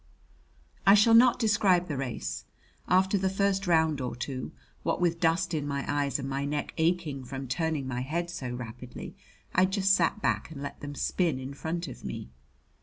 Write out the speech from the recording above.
I shall not describe the race. After the first round or two, what with dust in my eyes and my neck aching from turning my head so rapidly, I just sat back and let them spin in front of me.